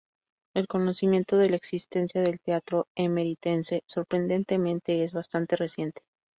El conocimiento de la existencia del teatro emeritense, sorprendentemente, es bastante reciente.